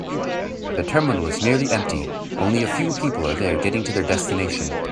The terminal is nearly empty, only a few people are there getting to their destination.